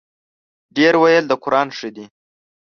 ـ ډېر ویل د قران ښه دی.